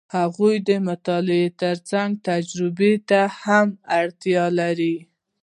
هغوی د مطالعې ترڅنګ تجربې ته هم اړتیا لري.